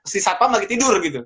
si satpam lagi tidur gitu